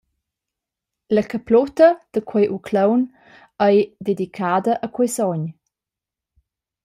La caplutta da quei uclaun ei dedicada a quei sogn.